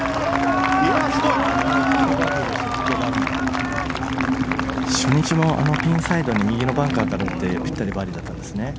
すごい！初日もピンサイドに右のバンカーから打ってぴったりバーディーだったんですね。